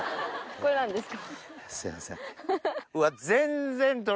これ何ですか？